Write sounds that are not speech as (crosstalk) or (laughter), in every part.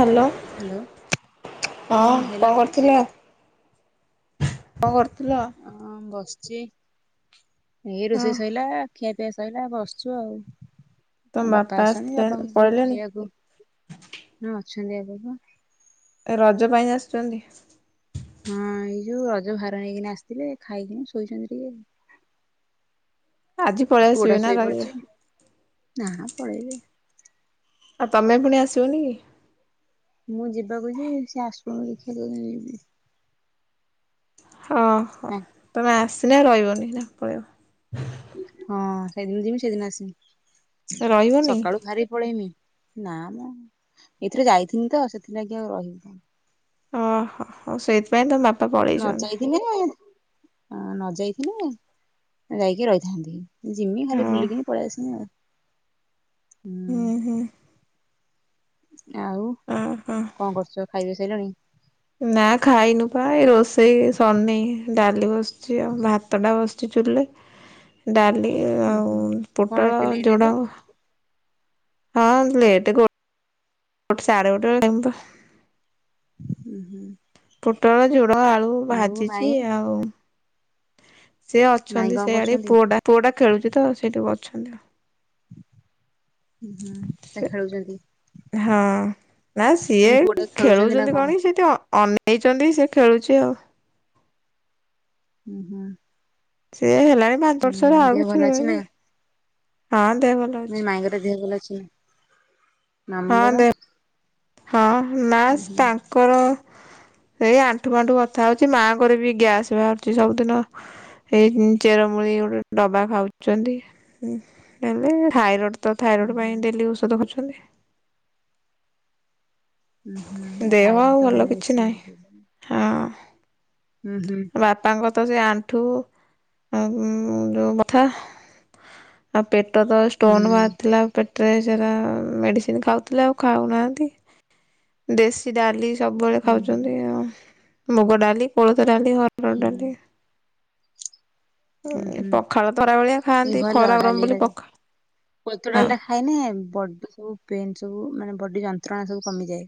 Hello. Hello. ହୁଁ ହଁ ହେଲା କଣ ତ କରୁଥିଲେ? କଣ କରୁଥିଲ? ହଁ ବସିଛି। ଏଇ ହଁ ରୋଷେଇ ସଇଲା। ଖିଆ ପିଆ ସଇଲା ବସିଛୁ ଆଉ। ତମ ବାପା ଆସିଛନ୍ତି ଆସିଲେ ବାପଙ୍କୁ ପଳେଇଲେଣି ଖାଇଆକୁ, ହଁ ଅଛନ୍ତି ଆଜି ପା। ଏ ରଜ ପାଇଁ ଆସୁଛନ୍ତି? ହଁ ଏଇ ଯୋଉ ରଜ ଭାର ଆଣିକିନା ଆସିଥିଲେ, ଖାଇକିନି ଶୋଇଛନ୍ତି ଟିକେ। ଆଜି ପଳେଇ ପୁଅଟା ଆସିବେ ନା ଶୋଇ ରହିବେ ପଡିଛି। ନା ପଳେଇବେ। ଆଉ ତମେ ପୁଣି ଆସିବନି କି? ମୁଁ ଯିବାକୁ ଯେ ସିଏ ଆସନ୍ତୁ ଦେଖିବା କୋଉଦିନ ଯିବି। ହଁ, ତମେ ଆସିଲେ ରହିବନି ନା ପଳେଇିବ। ହଁ ସେଇଦିନ ଯିବି ସେଇଦିନ ଆସିବି। ରହିବନି? ସକାଳୁ ବାହାରି ପଳେଇମି ନା ମ ଏଥିରେ ଯାଇଥିଲି ତ ସେଥିଲାଗି ଆଉ ରହିବିନି। ହଁ ହଁ ହଉ ସେଇଥିପାଇଁ ତମ ବାପା ନ ପଳେଇଛନ୍ତି ଯାଇଥିନେ, ହଁ ନ ଯାଇଥିନେ ଯାଇକି ରହିଥାନ୍ତି। ଜିମି ଖାଲି ହଁ। ବୁଲିକି ହିଁ ପଳେଇ ଆସନି ଆଉ। ହୁଁ। ହୁଁ ଆଉ ଓହୋ। କଣ କରୁଛ ଖାଇବା ସାରିଲଣି? ନା ଖାଇନୁ ପା ଏଇ ରୋଷେଇ ଶାରୀନି, ଡାଲି ବସଛି ଆଉ ଭାତ ଟା ବସ ଚି ଚୁଲିରେ, ଡାଲି ହୁଁ ଆଉ ହୁଁ କଣ ପୋଟଳ ଏତେ ଲେଟ୍ ଯେ ଜୁଡ଼ଙ୍ଗ ହଁ ଲେଟ୍ କ ଗୋଟେ ସାଢେ ଗୋଟେ ଟାଇମ୍ ତ ଉଁ ହୁଁ। ପୋଟଳ, ଝୁଡ଼ଙ୍ଗ, ଆଳୁ ଆଉ ମାଇଁ ଭାଜିଛି ଆଉ। ସେ ମାଇଁ ଅଛନ୍ତି କଣ ସେଇଆଡେ। କରୁଛନ୍ତି? ପୁଅଟା, ପୁଅଟା ଖେଳୁଛି ତ ସେଇଠି ଅଛନ୍ତି। ହୁଁ ତ ସେ ଖେଳୁଛନ୍ତି। ହଁ ନା ସିଏ ମାନେ ପୁଅ ଟା ନା ଖେଳୁଛନ୍ତି କଣ ସେଠି ଅନେ ନେଇଛନ୍ତି ସେ ଖେଳୁଛି ଆଉ ହୁଁ ହୁଁ। ସିଏ ହେଲାଣି ପାଞ୍ଚ ବର୍ଷର ହୁଁ ଆଉ ଦେହ ଭଲ କିଛି ଅଛି ରୁହେ କି ହଁ ଦେହ ଭଲ। ଅଛି। ମାଇଁ ଦେହ ଭଲ ଅଛି ହଁ ମାମଁଙ୍କର? ଦେ ହଁ ନା ତାଙ୍କର ଏଇ ଆଣ୍ଠୁ ଗଣ୍ଠି ବଥା ହଉଛି ମାଆଙ୍କରେ ବି ଗ୍ୟାସ ବାହାରୁଛି ସବୁଦିନ। ଏଇ ଚେରମୂଳି ଗୋଟେ ଡବା ଖାଉଛନ୍ତି ହେଲେ ଥାଇରଡ ତ ହୁଁ ଥାଇରଏଡ଼୍ ହୁଁ। ପାଇଁ ଡେଲି ଔଷଧ ଖାଉଛନ୍ତି। ହୁଁ ହୁଁ ଏ ଦେହ ଥାାଇରଡ ଆଉ ବି ତ ଭଲ ମାନେ କିଛି ବେଶୀଇ ନାହିଁ। ହଁ। ହୁ ହୁ ବାପାଙ୍କ ତ ସେ ଆଣ୍ଠୁ ଉଁ ଯୋଉ ବଥା ଆଉ ପେଟ ତ ହୁଁ ଷ୍ଟୋନ୍ ବାହାରିଥିଲା ପେଟରେ ସେଟା ମେଡ଼ିସିନ ଖାଉଥିଲେ ଆଉ ଖାଉନାହାନ୍ତି। ଦେଶୀ ଡାଲି ସବୁବେଳେ ହୁଁ। ଖାଉଛନ୍ତି ଆ ମୁଗ ଡାଲି କୋଳଥ ଡାଲି ହ ହରଡ଼ ଡାଲି ହୁଁ ହୁଁ ପଖାଳ ତ ଖରାବେଳିଆ ହୁଁ ଖାଆନ୍ତି ଭଲ ଖରା ଗରମ ବୋଲି ଡାଲିରେ ପଖାଳ କୋଲଥ ହଁ ଡାଲି ଟା ଖାଇନ ବଡି ସବୁ ପେନେ ସବୁ ମାନେ ବଡି ଯନ୍ତ୍ରଣା ସବୁ କମିଯାଏ।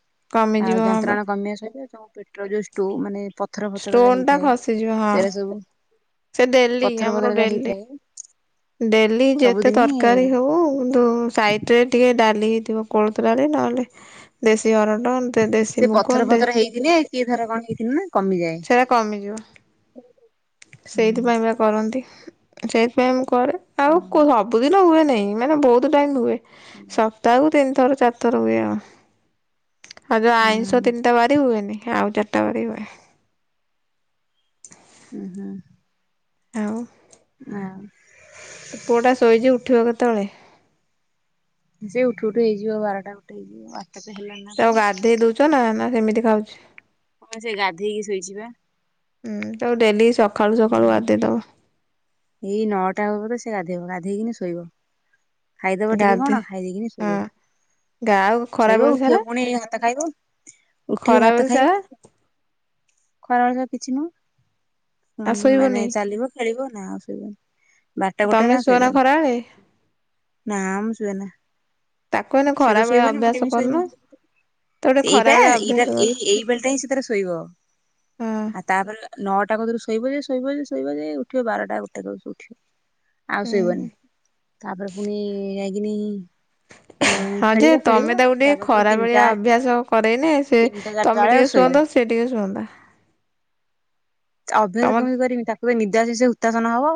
ଆଉ କମିଯିବ ହଁ ବା ଯନ୍ତ୍ରଣା କମିବା ସହିତ ପେଟ୍ ଯୋ ଷ୍ଟୋ ମାନେ ପଥର ପଥରରେ ଷ୍ଟୋନ୍ ଟା ହେଇଥାଏ ଖସିଯିବ ହଁ ସେରା ସବୁ ସେ ଡେଲି ପଥର ଆମର ପଥର ଯା ଡେଲି ହେଇଥାଏ ଡେଲି ଯେତେ ସବୁଦିନି ତରକାରୀ ହଉ କିନ୍ତୁ ସାଇଟି ସେ ଟିକେ ଡାଲି ହେଇଥିବ କୋଳଥ ଡାଲି ନହେଲେ ଦେଶୀ ହରଡ (unintelligible) ସେ ଦେଶୀ ମୁଗ ପଥର ଫଥର ହେଇଥିଲେ କିଏ ଧର କଣ ହେଇଥିଲେ ନା କମିଯାଏ। ସେଟା କମିଯିବ। ହୁଁ ସେଇଥିପାଇଁ ବା କରନ୍ତି ସେଇଥିପାଇଁ ମୁଁ କରେ ହୁଁ ଆଉ କୁହ? ସବୁଦିନ ହୁଏ ନେହିଁ ମାନେ ବହୁତ ଟାଇମ ହୁଏ ହୁଁ ସପ୍ତାହକୁ ତିନି ଥର ଚାରି ଥର ହୁଏ ଆଉ। ଆଉ ଯଉ ଆଇଁଷ ତିନିଟା ବାରି ହୁଏନି ଆଉ ଚାରିଟା ବାରି ହୁଏ। ହୁଁ ହୁଁ। ଆଉ। ହଁ। ତୋ ପୁଅଟା ଶୋଇଛି ଉଠିବ କେତେବେଳେ? ସେ ଉଠୁ ଉଠ ହେଇଯିବ ବାରଟା ଗୋଟେ ହେଇଯିବ। ତତେ ହେଲା ନା? କଣ? ତାକୁ ଗାଧେଇ ଦଉଛ ନା ନା ସେମିତି ଖାଉଛି? ହପା ସେ ଗାଧେଇକି ଶୋଇଛିିବା। ହୁଁ ତାକୁ ଡେଲି ସକାଳୁ ସକାଳୁ ଗାଧେଇଦବ। ଏଇ ନଅଟା ହବ ତ ସେ ଗାଧୋଇ ବ ଗାଧେଇଇକିନି ଶୋଇବ। ଖାଇଦବ ଟିକେ ଗାଧେ କଣ ଖାଇ ଦେଇକିନି ହଁ ଶୋଇବ। ଗା ଆଉ ଶୋଇବ ଖରାବେଳେ ଉଠିବ ସାରା ପୁଣି ଭାତ ଖାଇବ ଉଠିବ ଭାତ ଖରାବେଳେ ସାରା ଖାଇବ। ଖରାବେଳେ ରେ କିଛି ଆଉ ନୁହଁ ମାନେ ଶୋଇବନି ଚାଲିବ ଖେଳିବ ନା ଆଉ ଶୋଇବନି ବାରଟା ଗୋଟେ ତମେ ନା ଶୁଅନା ଖରାବେଳେ ଶୋଇବନି ନାମ ସୁଏନା। ତାକୁ ଏଇନା ସେ ତ ଖରାବେଳେ ଶୋଇବନି ମୁଁ ଅଭ୍ୟାସ କେମିତି କରୁନ ଶୋଇମି ତାକୁ ଟିକେ ସେ ଏଇଟା ଖରାବେଳେ ଅଭ୍ୟାସ ଏଇଟା କର ଏଇ ଏଇ ବେଳ ଟା ହିଁ ସେ ତାର ଶୋଇବ। ହଁ। ଆଉ ତାପରେ ନଅଟା ପାଖରୁ ଶୋଇବ ଯେ ଶୋଇବ ଯେ ଶୋଇବ ଯେ ଉଠିବ ବାରଟା ବେଳେ। ଉଠିବ ଆଉ ହୁଁ ଶୋଇବନି ହୁଁ ତାପରେ ପୁଣି ଯାଇକିନି ଅଁ ହଁ ଯେ ଖେଳିବ ଖେଳିବ ତମେ ତାକୁ ଟିକେ ତାପରେ ପୁଣି ଖରା ତିନିଟା ବେଳିଆ ଅଭ୍ୟାସ କରେଇଲେ ସେ ତିନିଟା ଚାରିଟା ତମେ ବେଳେ ଟିକେ ଶୋଇବ ଶୁଅନ୍ତ ସେ ଟିକେ ସୁଅନ୍ତା। ତମ ଅଭ୍ୟାସ କେମିତି କରିମି ତାକୁ ନିଦ ଆସିଲେ ସେ ହୁତାସନ ହବ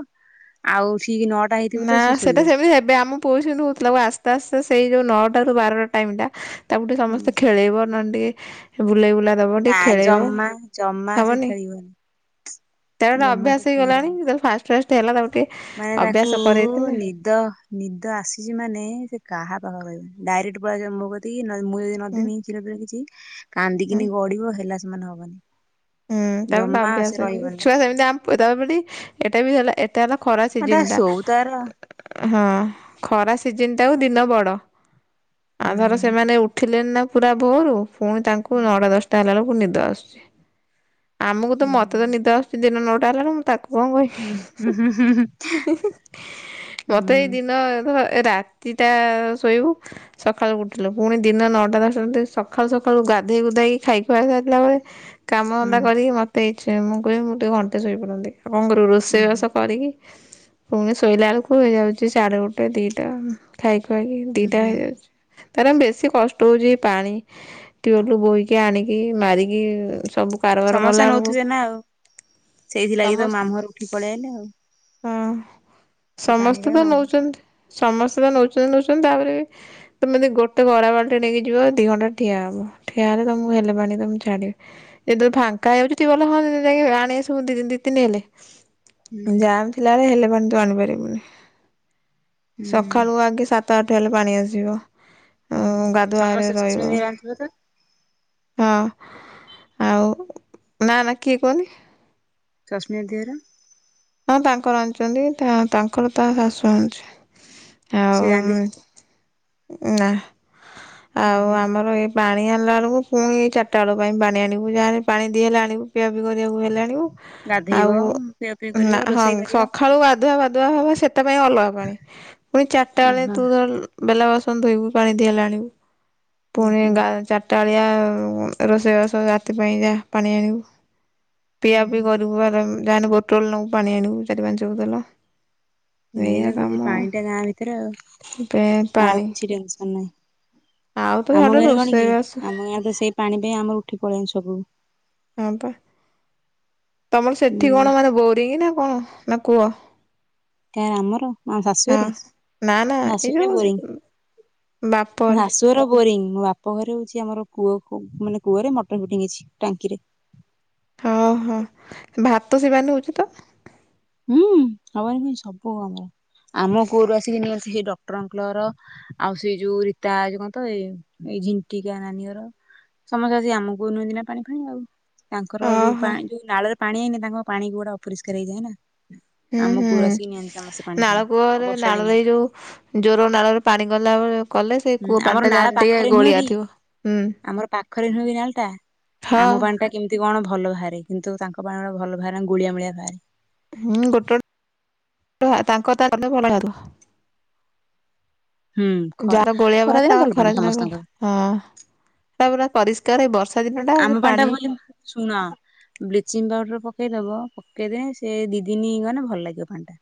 ଆଉ ଠିକ ନ ନା ସେଟା ସେମିତି ହେବେ ଆମ ପୁଅ (unintelligible) ନଉଥିଲା ଆସ୍ତେ ଆସ୍ତେ ସେଇ ଯୋଉ ନଅଟାରୁ ବାରଟା ଟାଇମ ଟା ତାକୁ ଟିକେ ହୁଁ ସମସ୍ତେ ଖେଳେଇବ ନହେଲେ ଟିକେ ବୁଲେଇ ବୁଲା ଦବ ନା ଟିକେ ଖେଳିଇବ ଜମା ଜମା ସେ ହବନି। ଖେଳିବନି ତାର ତ ଜମା ଅଭ୍ୟାସ ସେ ହେଇଗଲାଣି ଖେଳିବନି ଯେତେବେଳେ ଫାଷ୍ଟ ଫାଷ୍ଟ ହେଲା ତାକୁ ଟିକେ ମାନେ ଅଭ୍ୟାସ ତାକୁ କରେଇଥିଲେ ନିଦ ନିଦ ଆସିଛି ମାନେ ସେ କାହା ପାଖ ରହିବନି ଡାଇରେକ୍ଟ ପାଲେଇଆସିବ ମୋ ମୁଁ ଯଦି ହୁଁ ନଦେମି କ୍ଷୀର ଫୀର କିଛି ହୁଁ କାନ୍ଦିକିନି ଗଡିବ ହେଲା ସେମାନେ ହବନି। ହୁଁ ତାର ସେଟା ଜମା ସେ ଅଭ୍ୟାସ ହେଇଯାଇଛି ରହିବନି ଛୁଆ ସେମିତି ଆମ ଏଟା ବି ହେଲା ଏ ତେ ହେଲା ଖରା ଆ ତା ସିଜିନ ଟା। ଶୋଉ ତାର ହଁ ଖରା ସିଜିନ ଟା ଦିନ ବଡ ଆଉ ଧର ହୁଁ। ସେମାନେ ଉଠ ଉଠିଲାଣି ନା ପୁରା ଭୋରୁ ପୁଣି ହୁଁ ତାଙ୍କୁ ନଅଟା ଦଶଟା ହେଲା ବେଳକୁ ନିଦ ଆସୁଛି। ଆମକୁ ତ ହୁଁ ମତେ ତ ନିଦ ଆସୁଛି ଦିନ ନଅଟା ହେଲାରୁ ମୁଁ ତାକୁ (unintelligible) ହୁଁ ହୁଁ ହୁଁ ମୋତେ ଦିନ ଅ ରାତିଟା ଶୋଇବୁ ସକାଳୁ ଉଠିଲୁ ପୁଣି ଦିନ ନଅଟା ଦଶଟା ସକାଳୁ ସକାଳୁ ଗାଧୋଇ ଗୁଧୋଇ ଖାଇ ଖୁଆଇ ସାରିିଲା ପରେ କାମ ହୁଁ ଧନ୍ଦା କରିକି ମୋତେ ଇଛା ମୁଁ କହିବି ମୁଁ ଟିକେ ଘଣ୍ଟେ ଶୋଇପଡ଼ନ୍ତି ଆଉ କଣ କରିବୁ ହୁଁ ରୋଷେଇବାସ କରିକି ପୁଣି ଶୋଇଲା ବେଳକୁ ହେଇଯାଉଛି ସାଡେ ଗୋଟେ ଦିଟା ଖାଇ ଖୁଆଇକି ହୁଁ ଦିଟା ହୁଁ ହେଇଯାଉଛି। ତାର ବେଶୀ କଷ୍ଟ ହଉଛି ପାଣି ଟିୱାଲ ବୋହିକି ଆଣିକି ମାରିକି ସବୁ କାରବାର ସମସ୍ତେ କଲା ବେଳକୁ ନଉଥିବେ ନା ଆଉ ସେଇଥିଲାଗି ତ ସମସ୍ତ ମାମୁଘର ଉଠିକି ପଳେଇ ଆଇଲେ ଆଉ। ହଁ ସେ ସମସ୍ତେ ପାଣିରେ ତ ମାମୁଁ ଘର ନଉଛନ୍ତି ସମସ୍ତେ ତ ନଉଛନ୍ତି ନଉଛନ୍ତି ତାପରେ ବି ତମେ ଗୋଟେ ଗରା ବାଲ୍ଟି ନେଇକି ଯିବ ଦି ଘଣ୍ଟା ଠିଆ ହବ ଠିଆ ହେଲେ ତମକୁ ହେଲେ ପାଣି ଦେବେ ଛାଡିବେ। ଯେତେବେଳେ ଫାଙ୍କା ହୋଉଛି ଟିୱଳ ହଁ ଯାଇ ଆଣି ଆସିବୁ ଦି ଦିଇ ତିିନି ହେଲେ ହୁଁ ଜାମ୍ ଥିଲାବେଳେ ହେଲେ ପାଣି ତୁ ଆଣିପାରିବୁନି ହୁଁ। ସକାଳୁ ଆଗେ ସାତ ଆଠଟା ହେଲେ ପାଣି ଆସିବ ହୁଁ ଆଉ ଗାଧୁଆଘରେ ସମସ୍ତେ ରହିବ। (inaudible) ହଁ ଆଉ ନା ନା କିଏ କୁହନି। (unintelligible) ହଁ ତାଙ୍କର ଆଣୁଛନ୍ତି ତାଙ୍କର ତା ଶାଶୁ ଆଣୁଛି। ଆଉ ସିଏ (unintelligible) ନା ଆଉ ଆମର ଏ ପାଣି ଆଣିଲା ବେଳକୁ ପୁଣି ଚାରିଟା ବେଳ ପାଇଁ ପାଣି ଆଣିବୁ ଯାହେଲେ ପାଣି ଦିଇ ହେଲେ ଆଣିବୁ ପିଆ ପି କରିବାକୁ ହେଲେ ଆଣିବୁ। ଆଉ ଗାଧୋଇବ ନା ହଁ ସକାଳୁ ଗାଧୁଆ ବାଧୁଆ ହବ ସେଥିପାଇଁ ଅଲଗା। ପୁଣି ଚାରିଟା ବେଳେ ଓହୋ ତୁ ବେଲା ବାସନ ଧୋଇବୁ ପାଣି ଦି ହେଲେ ଆଣିବୁ। ହୁଁ ପୁଣି ହୁଁ ଗା ଚାରିଟାଳିଆ ରୋଷେଇବାସ ରାତି ପାଇଁ ଯାହା ପାଣି ଆଣିବୁ ହୁଁ ପିଆ ପିଇ ହୁଁ। କରିବୁ ଯାହାହେନେ ବୋଟଲ ନେବୁ ପାଣି ଆଣିବୁ ଚାରି ପାଞ୍ଚ ବୋତଲ। ଏଇଆ ମେନ ତ କାମ ପାଣି ଟା ଗାଁ ଭିତରେ ଆଉ ପେ ଆଉ ପାଣି କିଛି ଟେନସନ ନାହିଁ। ଆଉ ତ ଛାଡ ଆମ ଗାଁରେ କଣ କି ରୋଷେଇବାସ ଆମ ଗାଁରେ ତ ସେଇ ପାଣି ପାଇଁ ଆମର ଉଠି ପଳେଇ ଆସିଲୁ ସବୁ। ହଁ ପା ତମର ସେଠି ଉଁ କଣ ମାନେ ବୋରିଙ୍ଗି ନା କଣ ନା କୁଅ। କାହାର ଆମର ଆମ ହଁ ଶାଶୁଘରେ ନା ନା ଏ ଶାଶୁଘରେ ଯୋଉ ବାପ ଘରେ ତୋର ବୋରିଂ। ମୋ ବାପ ଘରେ ହଉଛି ଆମର କୂଅ ମାନେ କୂଅରେ ମଟର ଫିଟିଙ୍ଗ ହେଇଚି। ଟାଙ୍କିରେ। ହଁ ହ ଭାତ ସେ ପାଣିରେ ହଉଚି ତ? ହୁଁ ହବନି କି ମାଇଁ? ସବୁ ହବ। ଆମର ଆମ କୂଅରୁ ଆସିକି ନିଅନ୍ତି ସେଇ ଡକ୍ଟର ଅଙ୍କଲ ହର। ଆଉ ସେଇ ଯୋଉ ରୀତା ଯୋ କଣ ତ ଏ ଏଇ ଝିଙ୍କିକା ନାନୀହର। ସମସ୍ତେ ଆସି ଆମ କୂଅରୁ ନିଅନ୍ତି ନାଁ ପାଣି ଫାଣି ଆଉ। ତାଙ୍କର ଯୋଉ ପା ଓହୋ ଯୋଉ ନାଳରେ ପାଣି ହେଇନି ତାଙ୍କ ପାଣି କୂଅଟା ପୁରା ଅପରିଷ୍କାର ହେଇଯାଏ ନା। ହୁଁ ଆମ କୂଅରୁ ହୁଁ। ଆସିକି ନିଅନ୍ତି ସମସ୍ତେ ପାଣି ନାଳ ଫାଣି ଆଉ କୂଅରେ ବର୍ଷା ଦିନିଆ। ନାଳରେ ଏଇ ଯୋଉ ଜୋର ନାଳରେ ପାଣି ଗଲାବ କଲେ ସେ ହୁଁ କୂଅ ଆମର ପାଣିଟା ନାଳ ଯାହେନେ ଟିକେ ପାଖରେ ନୁହଁ ଗୋଳିଆ କି ଥିବ। ହୁଁ। ଆମର ହଁ। କେମତି କଣ ଭଲ ଭାରେ କିନ୍ତୁ ତାଙ୍କ ପାଣି ଉଡ଼ା ଭଲ ଭାରେଁ ଗୁଳିଆ ମୁଳିଆ ଭାରେ। ହୁଁ ଗୋଟ ଏହା ତାଙ୍କ ତା ଅନ୍ୟ ଭଲ ୟାଦୁ ହୁଁ ଖ ଯାହାର ଗୋଳିଆ ବାହାରେ ଖରାଦିନେ ଭଲ ତାଙ୍କର ପାଣି ଖରା ଦିନରେ ଭଲ। ସମସ୍ତଙ୍କର। ହଁ। ତା ପୁରା ପରିଷ୍କାରେ ଏଇ ବର୍ଷା ଦିନ ଟା ସେ ଆମ ପାଣି ପାଣିଟା ଭଲ୍ୟୁମ ଶୁଣ। ବ୍ଲିଚିଂ ପାଉଡ଼ର ପକେଇଦବ, ପକେଇଦେଁ ସେ ଦି ଦିନି ଗନେ ଭଲ ଲାଗିବ ପାଣିଟା।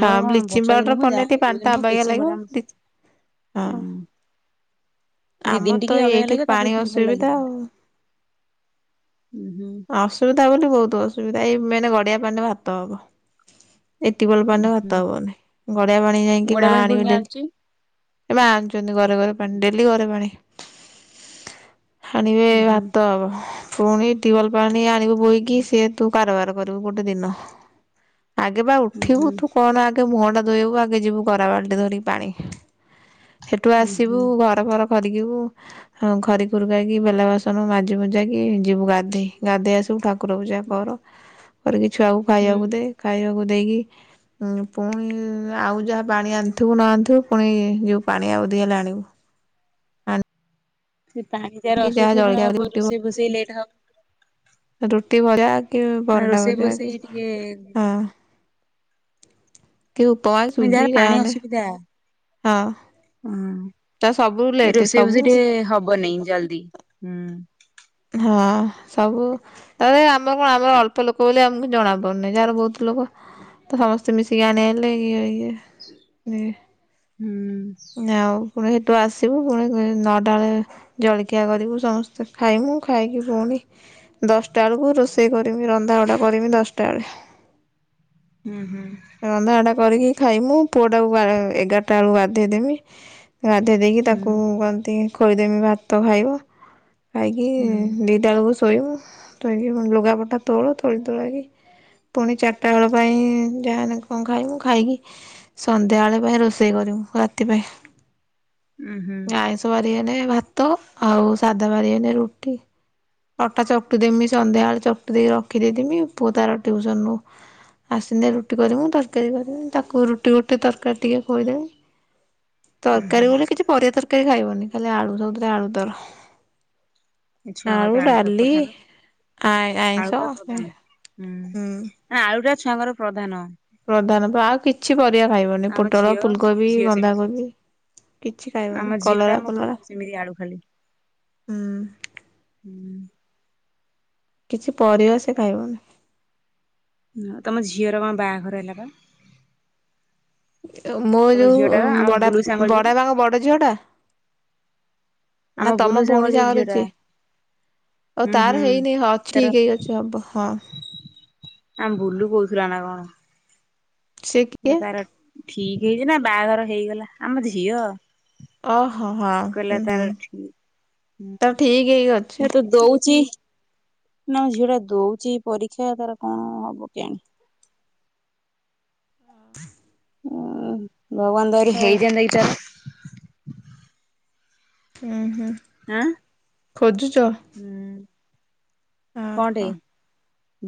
ହଁ କଣ ବ୍ଲିଚିଂ ବର୍ଷା ପାଉଡ଼ର ଦିନ ହଉ ପଡ଼ନେ ଟିକେ ଯାହା ଯୋଉ ଦିନ ପାଣିଟା ହଉ ଅବାଗିଆ ବ୍ଲିଚିଂ ଲାଗିବ ପାଉଡର ଆମେ ଦିତ୍ ହଁ ହୁଁ ଦି ଦିନ ଆମର ଟିକେ ତ ଅବାଗିଆ ଏଇଠି ଲାଗିବ ତାପରେ ପାଣି ଭଲ ଲାଗିବ ଅସୁବିଧା ପାଣିଟା। ଆଉ। ଉଁ ହୁଁ। ଅସୁବିଧା ବୋଲି ବୋହୁତୁ ଅସୁବିଧା। ଏଇ ମେନେ ଗଡ଼ିଆ ପାଣିରେ ଭାତ ହବ। ଏଇ ଟିବଲ ଉଁ ପାଣିରେ ହୁଁ ଭାତ ହବନେଇ। ଗଡି଼ଆ ପାଣି ଯାଇଁକି ଗୋଡିଆ ମା ପାଣି ଆଣିବେ ପୁଣି ଡେ ଆଣୁଚି। ଏ ମା ଚନ୍ତି ଗରେ ଗରେ ପାଣି। ଡେଲି ଗରେ ପାଣି। ହାଣିବେ ଉଁ ହୁଁ ଭାତ ହବ। ପୁଣି ଟିୱଲ ପାଣି ଆଣିବୁ ବୋହିକି ସିଏ ତୁ କାରବାର କରିବୁ ଗୋଟେ ଦିନ। ଆଗେ ପା ଉଁ ଉଠିବୁ ହୁଁ ତୁ କଣ ଆ କେ ମୁହଁଟା ଧୋଇହବୁ। ଆଗେ ଯିବୁ ଗରା ବାଲଟି ଧରିକି ପାଣି ହେଠୁ ଉଁ ଆସିବୁ ହୁଁ। ଘ ଡ ଫର ଖରକିବୁ। ହଁ ଖରି ଖୁରୁକାକି ବେଲା ବାସନ ମାଜି ମୁଜାକି ଯିବୁ ଗା ଧେଇ। ଗାଧେଇ ଆସିବୁ ଠାକୁର ପୂଜା କର। କରିକି ଛୁଆକୁ ହୁଁ ଖାଇବାକୁ ଦେ। ଖାଇଆକୁ ଦେଇକି ଉଁ ପୁଣି ଆଉ ଯାହା ପାଣି ଆଣିଥିବୁ ନ ଆଣିଥିବୁ ପୁଣି ଯିଉ ପାଣି ଆଉ ଦି ହେଲେ ଆଣିବୁ। ସେ ପାଣି ଯାର ଆଣିକି ଯାହା ଅସୁଥିବ ଜଳଖିଆ ହବ ରୁଟି ରୋଷେଇ ଫୋଷେଇ ଲେଟ ହବ। ରୁଟି ଭଳିଆ କି ପରଟା ରୋଷେଇ ଭଜା କି ଫୋଷେଇ ଟିକେ ହଁ। କି ଉପମା ସୁଜି ଯାହେନେ ଯା। ହଁ। ତା ସବୁ ହଁ। ଏ ଲେଟ୍ ରୋଷେଇ ସବୁ ଫୋଷେଇ ଟିକେ ହବନେଇଁ ଜଲଦି। ହଁ। ସବୁ ତାରେ ଆମର କଣ ଆମର ଅଳ୍ପ ଲୋକ ବୋଲି ଆମୁକୁ ଜଣା ପଡୁ଼ନେଇଁ। ଯାହାର ବହୁତ ଲୋକ ତ ସମସ୍ତେ ମିଶିକି ଆଣି ଆଇଲେ ଇଅ ଇଏ ଏ ହୁଁ। ଆଉ ଫୁଣି ହେଠୁ ଆସିବୁ ଫୁଣି କୁଇ ନଅଟାଳେ ଜଳିଖିଆ କରିବୁ। ସମସ୍ତେ ଖାଇମୁ। ଖାଇକି ପୁଣି ଦଶଟା ଅଳୁକୁ ରୋଷେଇ କରମି ରନ୍ଧାବଢ଼ା କରମି ଦଶଟା ଅଳେ। ଉଁ ହୁଁ‌। ରନ୍ଧାବଢ଼ା କରିକି ଖାଇମୁ। ପୁଅଟାକୁ ଗାଳ ଏଗାରଟା ଅଳୁ ଗାଧେଇ ଦେମି। ଗାଧେଇ ଦେଇକି ହୁଁ ତାକୁ କନ୍ତି ଖୋଇଦେମି ଭାତ ଖାଇବ। ଇ ହୁଁ ଦିଟା ଅଳୁକୁ ଶୋଇମୁ। ଶୋଇକି ପୁଣି ଲୁଗାପଟା ତୋଳ। ତୋଳି ତୁଳାକି ପୁଣି ଚାରିଟା ଏଳ ପାଇଁ ଯାହା ହେନେ କଁ ଖାଇମୁ ଖାଇକି ସନ୍ଧ୍ୟାଏଳେ ପାଇଁ ରୋଷେଇ କରିମୁ ରାତି ପାଇଁ। ଉଁ ହୁଁ। ଆାଇଁଷ ବାରି ହେଲେ ଭାତ ଆଉ ସାଧା ବାରିିହେଲେେ ରୁଟି। ଅଟା ଚକଟି ଦେମି। ସନ୍ଧ୍ୟାବେଳେ ଚକଟି ଦେଇ ରଖିଦେଇଥିମି, ପୁଅ ତାର ଟ୍ୟୁସନରୁ ଆସିନେ ରୁଟି କରିମୁ, ତରକାରୀ କରିମି। ତାକୁ ରୁଟି ଗୋଟେ ତରକାରୀ ଟିକେ ପଡେ। ତରକାରୀ ବୋଲି କିଛି ପରିବା ତରକାରୀ ଖାଇବନି ଖାଲି ଆଳୁ ସବୁଥିରେ ଆଳୁ ତାର। ଏ ଛୁଆ ଙ୍କ ପାଇଁ ଆଳୁଟା ଡାଲି ପ୍ରଧାନ ଆଇଁଷ ଆଳୁ ଟା ପ୍ରଧାନ ହୁଁ ହୁଁ। ଆଁ ଆଳୁଟା ଛୁଆଙ୍କର ପ୍ରଧାନ। ପ୍ରଧାନ ପା ଆଉ କିଛି ପରିବା ଖାଇବନି ଆମ ପୋଟଳ, ଝିଅ ଆମ ଫୁଲକୋବି, ଝିଅ ସେମିତି। ବନ୍ଧାକୋବି। କିଛି ଆମ ଖାଇବନି ଝିଅଟା କଲରା ମୋ ପୁଅ ପଲରା ସେମିତି ଆଳୁ ଖାଲି ହୁଁ। ହୁଁ। କିଛି ପରିବା ସେ ଖାଇବନି। ହୁଁ ତମ ଝିଅର କଣ ବାହାଘର ହେଲା ବା? ଅ ମୋର ତମ ଝିଅଟାର ଯୋଉ-ଉ-ଉ-ଉ ଉ ଆମ ବଡଆପା ବୁଲୁ ସାଙ୍ଗର ଯୋଉ ବଡା ବାପାଙ୍କ ବଡ ଝିଅ ଟା? ଆମ ନା ବୁଲୁ ତମ ସାଙ୍ଗର ଭଉଣୀ ଯୋଉ ସାଙ୍ଗରେ ଝିଅଟା ଯିଏ। ଓ ହୁଁ ହୁଁ। ତାର ହେଇନି ହଁ ତାର ଠିକ ହେଇକି ଅଛି ହବ ହଁ। ଆମ ବୁଲୁ କହୁଥିଲା ନା କଣ। ସେ କହିଲା କିଏ ତାର ଠିକ ହେଇଛି ନା ବାହାଘର ହେଇଗଲା ଆମ ଝିଅ ଓ ହଁ ହଁ କହିଲା ହୁଁ ତାର ହୁଁ। ଠିକ ତାର ଠିକ ହେଇ ଅଛି। ହୁଁ ଏ ତ ଦଉଛିି ନା ଝିଅ ଟା ଦଉଛି ପରୀକ୍ଷା ତାର କଣ-ଅ-ଅ ହବ କେଜାଣି। ଉ-ଉ-ଉ ଭଗବାନ ଙ୍କ ଦୟା ରୁ ହଉ। ହେଇଯାଆନ୍ତା କି ତାର। ଉଁ ହୁଁ। ଆଁ ଖୋଜୁଛ? ହୁଁ। କଣ ଟେ ଓହୋ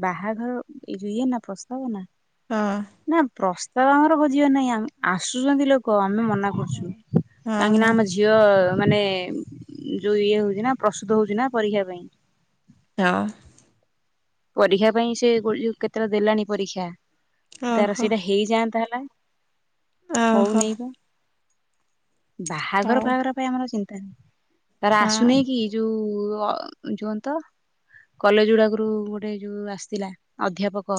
ବାହାଘର ଇଏ ନା ପ୍ରସ୍ତାବ ନା? ହଁ। ନା ପ୍ରସ୍ତାବ ଆମର ଖୋଜିବାର ନାହିଁ ଆମ୍ ଆସୁଛନ୍ତି ଲୋକ ଆମେ ମନା କରୁଛୁ ହଁ କାହିଁକି ନା ହଁ ଆମ ହଁ ଝି ଝିଅ-ଅ-ଅ-ଅ ମାନେ ଯୋଉ ଇଏ ହଉଛି ନା ପ୍ରସ୍ତୁତ ହଉଛି ନା ପରୀକ୍ଷା ପାଇଁ। ହଁ। ପରୀକ୍ଷା ପାଇଁ ସେ ଗୋଲୁ କେତେଟା ଦେଲାଣି ପରୀକ୍ଷା ତାର ଓହୋ ସେଇଟା ହେ ହେଇଯାଆନ୍ତା ହେଲା ଓହୋ ହଉନେଇ ବା। ବାହାଘର ହଉ ଫାହାଘର ପାଇଁ ଆମର ଚିନ୍ତା ନାହିଁ। ତାର ହଁ। ଆସୁନେଇ କି ଯୋଉ-ଉ-ଉ-ଉ ଅ ଯୁଅନ୍ତ କଲେଜ ଗୁଡାକରୁ ଏ ଯୋଉ ଆସିଥିଲା ଅଧ୍ୟାପକ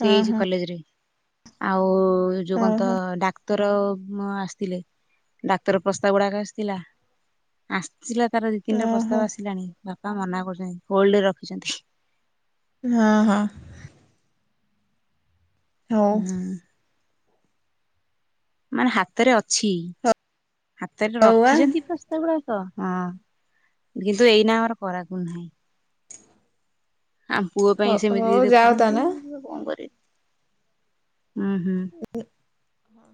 ସେ ହେଇଛି ଓହୋ କଲେଜରେ ଆଉ-ଉ-ଉ କୋଉ ଯୋଉ ଓହୋ ଓହୋ କଣତ-ଅ-ଅ-ଅ ଡାକ୍ତର-ଅ-ଅ-ଅ ଅମ୍ ଆସିଥିଲେ ଡାକ୍ତର ପ୍ରସ୍ତାବ ଗୁଡାକ ଆସିଥିଲା। ଆସିଥିଲା ତାର ଦି ତିନିଟା ପ୍ରସ୍ତାବ ଆସିଲାଣି ବାପା ମନା କରୁଛନ୍ତି ହୋଲଡରେ ରଖିଛନ୍ତି। ହଁ ହଁ। ହଉ ହୁଁ। ମାନେ ହାତରେ ଅଛି। ହାତରେ ହଉ ରଖିଛନ୍ତି ଆ। ପ୍ରସ୍ ସେଗୁଡାକ ହଁ କିନ୍ତୁ ଏଇନା ଆମର କରାକୁ ନାହିଁ। ଆମ ପୁଅ ପାଇଁ ହଉ ସେମିତି ହଉ ଯାଅ ତାନେ। ଦେଖୁଛନ୍ତି-ଇ-ଇ-ଇ ବା କଣ କରିବେ ହୁଁ ହୁଁ। ହଁ